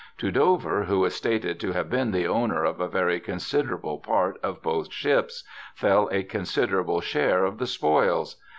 To Dover, who is stated to have been the owner of a very considerable part of both ships, fell a consider able share of the spoils.